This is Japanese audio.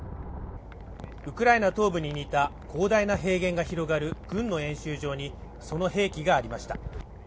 ウクライナ東部に似た広大な平原が広がる軍の演習場にその兵器がありました。